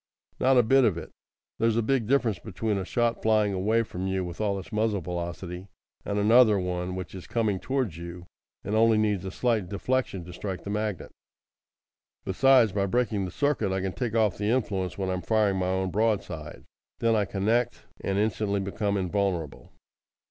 "Not a bit of it! There's a big difference between a shot flying away from you with all its muzzle velocity, and another one which is coming towards you and only needs a slight deflection to strike the magnet. Besides, by breaking the circuit I can take off the influence when I am firing my own broadside. Then I connect, and instantly become invulnerable."